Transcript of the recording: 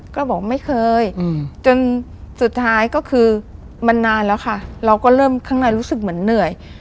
ก็บอกไม่เคยจนสุดท้ายก็คือมันนานแล้วค่ะเราก็เริ่มข้างในรู้สึกเหมือนเหนื่อย